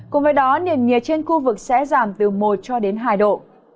cùng với đó nền nhiệt trên khu vực sẽ giảm từ một cho đến hai độ